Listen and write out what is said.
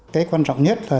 cái quan trọng nhất là